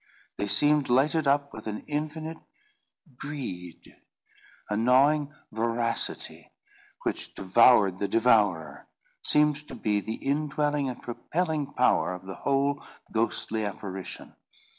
They seemed lighted up with an infinite greed. A gnawing voracity, which devoured the devourer, seemed to be the indwelling and propelling power of the whole ghostly apparition.